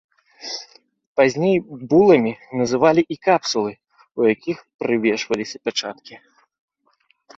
Пазней буламі называлі і капсулы, у якіх прывешваліся пячаткі.